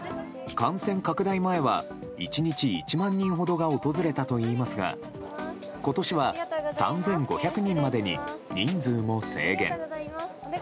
感染拡大前は１日１万人ほどが訪れたといいますが今年は３５００人までに人数も制限。